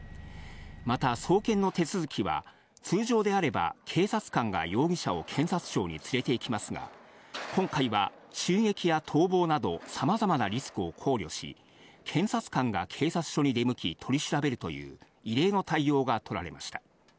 また、送検の手続きは通常であれば、警察官が容疑者を検察庁に連れていきますが、今回は襲撃や逃亡など、さまざまなリスクを考慮し、検察官が警察署に出向き、取り調べるという異例の対応が取られました。